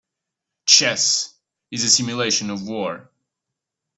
Chess is a simulation of war.